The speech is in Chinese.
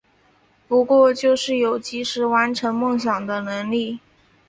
不过就是有及时完成梦想的能力